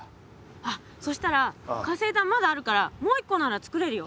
あっそしたら活性炭まだあるからもう一個ならつくれるよ。